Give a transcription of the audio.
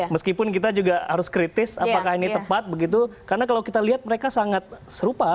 meskipun kita juga harus kritis apakah ini tepat begitu karena kalau kita lihat mereka sangat serupa